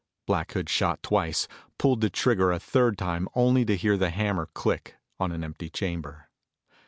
Black Hood shot twice, pulled the trigger a third time only to hear the hammer click on an empty chamber.